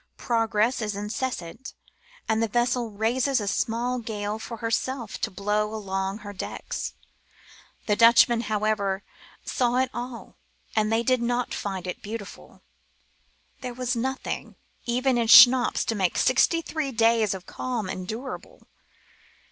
Progress is incessant, and the vessel raises a small gale for herself to blow along her decks. The Dutchmen, how ever, saw it all, and they did not find it beautiful. There was nothing even in schnapps to make sixty three days of calm endurable.